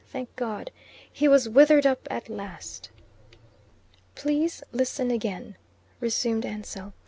Thank God! he was withered up at last. "Please listen again," resumed Ansell.